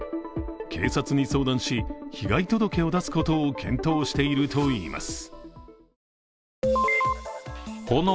警察に相談し、被害届を出すことを検討しているといいます。